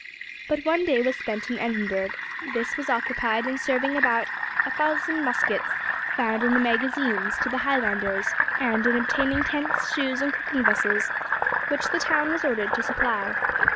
But one day was spent in Edinburgh. This was occupied in serving out about a thousand muskets found in the magazines to the Highlanders, and in obtaining tents, shoes, and cooking vessels, which the town was ordered to supply.